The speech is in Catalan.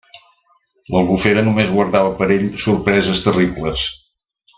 L'Albufera només guardava per a ell sorpreses terribles.